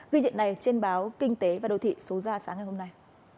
ghi nhận này trên báo kinh tế và đầu thị số ra sáng ngày hôm nay